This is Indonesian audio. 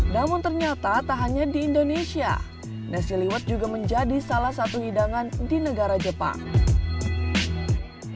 namun ternyata tak hanya di indonesia nasi liwet juga menjadi salah satu hidangan di negara jepang